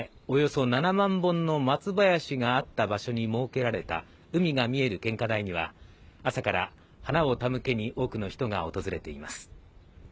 およそ７万本の松林があった場所に設けられた海が見える献花台には朝から花を手向けに多くの人が訪れています